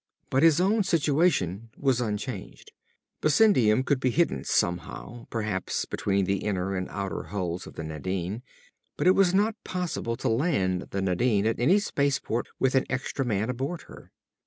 But his own situation was unchanged. Bessendium could be hidden somehow, perhaps between the inner and outer hulls of the Nadine. But it was not possible to land the Nadine at any space port with an extra man aboard her.